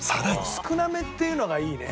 「少なめっていうのがいいね」